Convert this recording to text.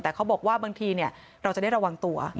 แต่เขาบอกว่าบางทีเราจะได้ระวังตัว